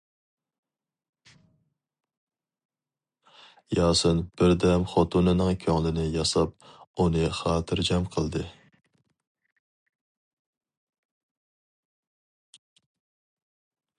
ياسىن بىر دەم خوتۇنىنىڭ كۆڭلىنى ياساپ، ئۇنى خاتىرجەم قىلدى.